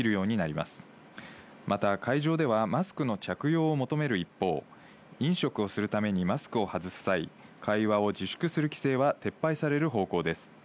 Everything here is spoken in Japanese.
また、会場ではマスクの着用を求める一方、飲食をするためにマスクを外す際、会話を自粛する規制は撤廃される方向です。